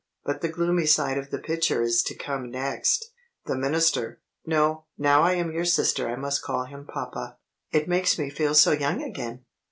But the gloomy side of the picture is to come next! The minister no! now I am your sister I must call him papa; it makes me feel so young again!